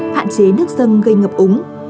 hạn chế nước dân gây ngập úng